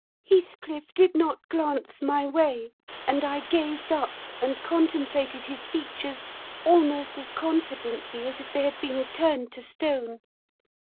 "Heathcliff did not glance my way, and I gazed up, and contemplated his features almost as confidently as if they had been turned to stone.